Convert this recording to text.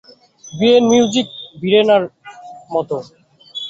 ভিয়েনার music ভিরেনার মত।